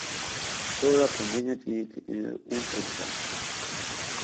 Toda condena tiene que tener un horizonte.